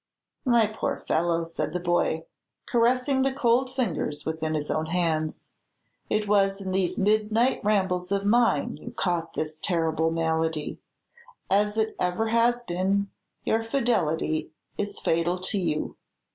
"My poor fellow," said the boy, caressing the cold fingers within his own hands, "it was in these midnight rambles of mine you caught the terrible malady. As it ever has been, your fidelity is fatal to you.